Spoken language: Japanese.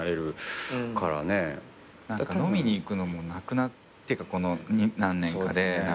飲みに行くのもなくなってこの何年かで。